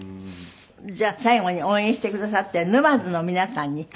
じゃあ最後に応援してくださっている沼津の皆さんにメッセージを。